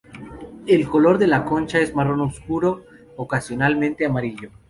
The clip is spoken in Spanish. El color de la concha es marrón obscuro, ocasionalmente amarillo.